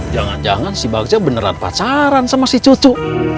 jangan jangan si bagja beneran pacaran sama si cucu